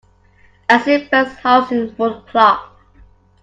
Acid burns holes in wool cloth.